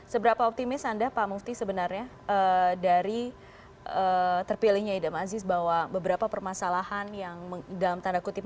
seberapa optimis anda pak mufti sebenarnya dari terpilihnya ida mazis bahwa beberapa permasalahan yang dalam tanda kutip mengganggu citra polisi